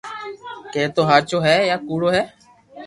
ڪي تو ھاچو ھي يا ڪوڙو ھي